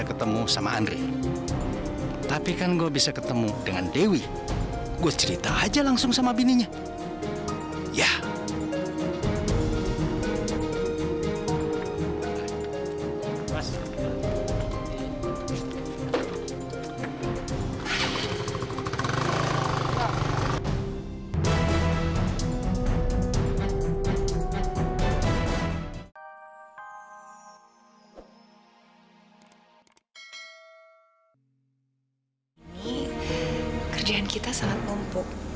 kerjaan kita sangat mumpuk